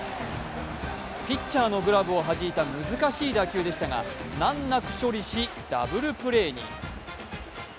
ピッチャーのグラブをはじいた難しい打球でしたが、難なく処理し、ダブルプレーに。